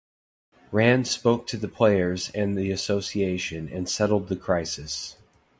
Ran spoke to the players and the association and settled the crisis.